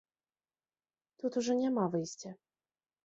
Тут ужо няма выйсця.